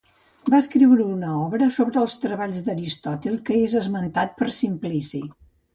Va escriure una obra sobre els treballs d'Aristòtil que és esmentat per Simplici.